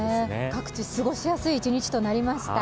各地過ごしやすい一日となりました。